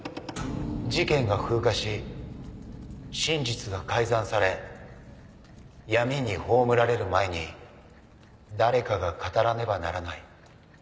事件が風化し真実が改ざんされ闇に葬られる前に誰かが語らねばならない」。